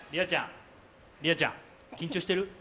莉愛ちゃん、緊張してる？